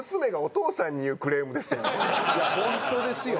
本当ですよ。